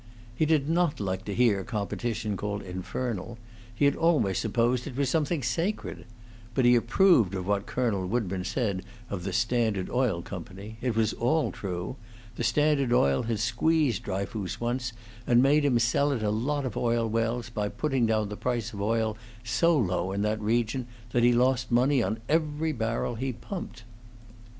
He did not like to hear competition called infernal; he had always supposed it was something sacred; but he approved of what Colonel Woodburn said of the Standard Oil Company; it was all true; the Standard Oil has squeezed Dryfoos once, and made him sell it a lot of oil wells by putting down the price of oil so low in that region that he lost money on every barrel he pumped.